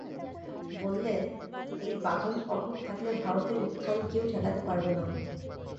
বললেন, এই বাঁধন অটুট থাকলে ভারতের উত্থান কেউ ঠেকাতে পারবে না।